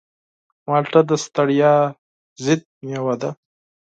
مالټه د ستړیا ضد مېوه ده.